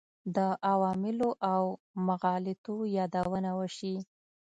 د عواملو او مغالطو یادونه وشي.